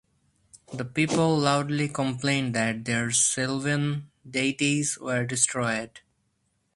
The people loudly complained that their sylvan deities were destroyed.